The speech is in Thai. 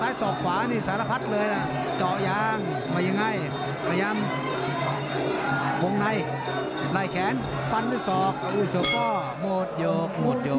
อุ๊ยเซียปอร์หมดยกหมดยก